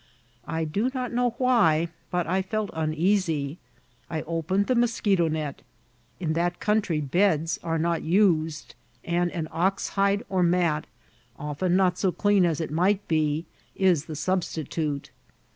I do not know why, but I felt uneasy. I opened the mos* eheto«net. In that country beds are not used, and an oxhide or mat, often not so clean as it might be, is the substitute.